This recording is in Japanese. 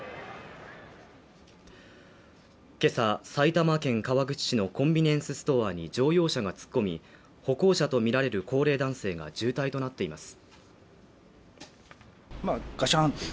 今朝埼玉県川口市のコンビニエンスストアに乗用車が突っ込み、歩行者とみられる高齢男性が重体となっています。